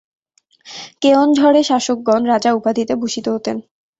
কেওনঝড় এর শাসকগণ রাজা উপাধিতে ভূষিত হতেন।